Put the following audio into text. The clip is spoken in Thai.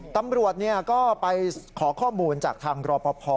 ตำรวจก็ไปขอข้อมูลจากทางรอปภ